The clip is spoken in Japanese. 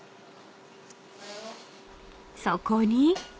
［そこに］